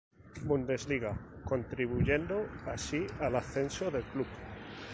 Bundesliga, contribuyendo así al ascenso del club.